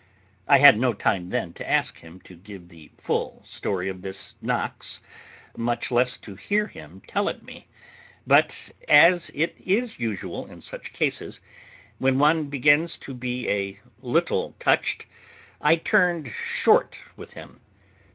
I had no time then to ask him to give the full story of this Knox, much less to hear him tell it me; but, as it is usual in such cases, when one begins to be a little touched, I turned short with him.